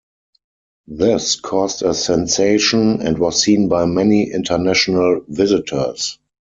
This caused a sensation and was seen by many international visitors.